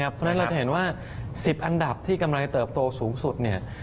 เพราะฉะนั้นเราจะเห็นว่า๑๐อันดับที่กำลังเติบโตสูงสุดเนี่ย